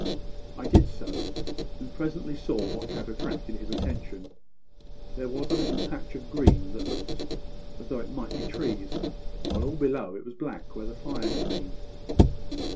"I did so; and presently saw what had attracted his attention. There was a little patch of green that looked as though it might be trees, while all below it was black, where the fire had been.